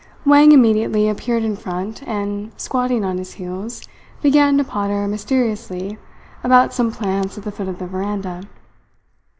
Wang immediately appeared in front, and, squatting on his heels, began to potter mysteriously about some plants at the foot of the veranda.